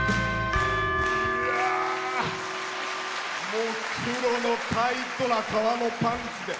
もう、黒のタイトな革のパンツで。